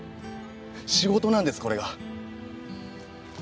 仕事なんですこれが。